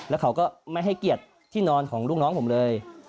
แล้วเขาก็ไม่ให้เกียรติที่นอนของลูกน้องผมเลย